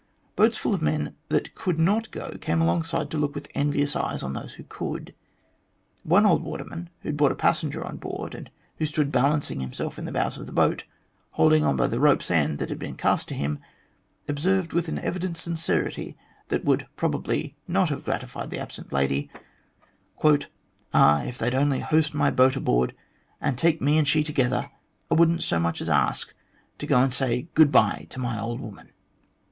Boats full of men that could not go came alongside to look with envious eyes on those that could. One old waterman who had brought a passenger on board, and who stood balancing himself in the bows of his boat, holding on by the rope's end that had been cast to him, observed with an evident sincerity that would probably not have gratified the absent lady :" Ah, if they'd only hoist my boat aboard, and take me and she together, I wouldn't so much as ask to go and say ' good bye ' to my old woman."